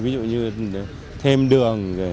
ví dụ như thêm đường